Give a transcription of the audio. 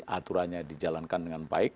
aturannya dijalankan dengan baik